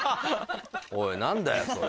おい何だよそれ。